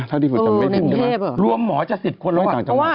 นี่แหละ